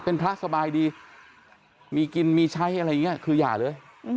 เป็นพระสบายดีมีกินมีใช้อะไรอย่างนี้คืออย่าเลย